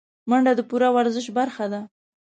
منډه د پوره ورزش برخه ده